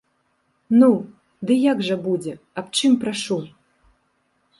Ну, ды як жа будзе, аб чым прашу?